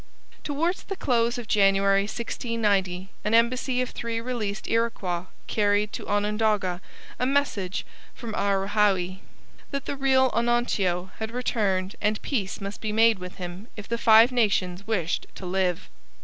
Towards the close of January 1690 an embassy of three released Iroquois carried to Onondaga a message from Ourehaoue that the real Onontio had returned and peace must be made with him if the Five Nations wished to live.